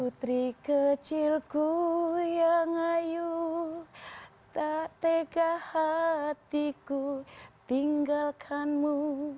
putri kecilku yang ayu tak tega hatiku tinggalkanmu